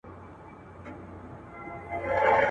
اې په خوب ویده ماشومه!؟.